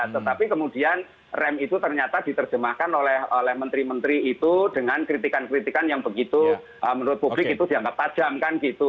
tetapi kemudian rem itu ternyata diterjemahkan oleh menteri menteri itu dengan kritikan kritikan yang begitu menurut publik itu dianggap tajam kan gitu